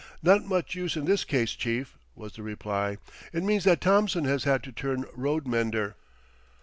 "Not much use in this case, chief," was the reply. "It means that Thompson has had to turn road mender.